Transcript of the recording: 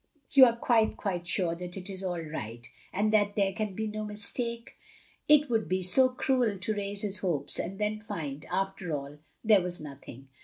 "You are quite, quite stire that it is all right, and that there can be no mistake ? It would be so cruel to raise his hopes, and then find, after all, there was nothing.